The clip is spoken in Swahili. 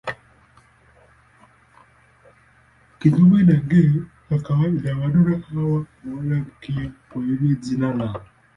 Kinyume na nge wa kawaida wadudu hawa hawana mkia, kwa hivyo jina lao.